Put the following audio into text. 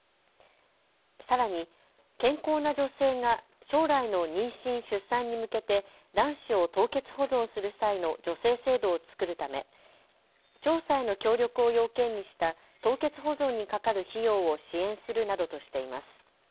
さらに健康な女性が将来の妊娠・出産に向けて卵子を凍結保存する際の助成制度を作るため調査への協力を要件にした凍結保存にかかる費用を支援するなどとしています。